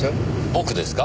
僕ですか？